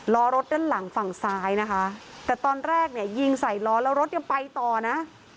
ล้อรถด้านหลังฝั่งซ้ายนะคะแต่ตอนแรกเนี่ยยิงใส่ล้อแล้วรถยังไปต่อนะ